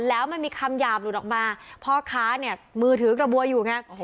แล้วมันมีคำหยาบหลุดออกมาพ่อค้าเนี่ยมือถือกระบวยอยู่ไง